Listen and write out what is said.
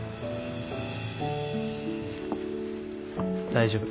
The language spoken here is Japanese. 大丈夫。